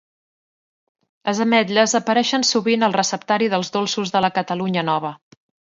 Les ametlles apareixen sovint al receptari dels dolços de la Catalunya Nova